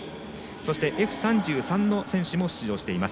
そして、Ｆ３３の選手も出場しています。